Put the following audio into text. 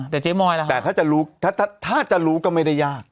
แต่ถ้าจะรู้ก็ไม่ได้ยาก